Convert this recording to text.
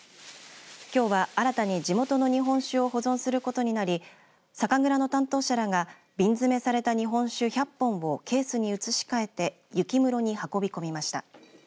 きょうは、新たに地元の日本酒を保存することになり酒蔵の担当者らが瓶詰された日本酒１００本をケースに移し替えて雪室に運び込みました。